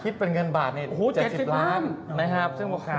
คิดเป็นเงินบาท๗๐ล้าน